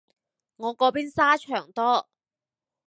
我嗰邊沙場多